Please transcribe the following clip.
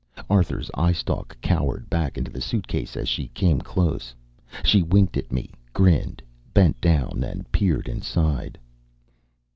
Arthur's eyestalk cowered back into the suitcase as she came close. She winked at me, grinned, bent down and peered inside.